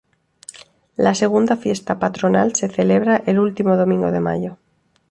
La segunda fiesta patronal se celebra el último domingo de mayo.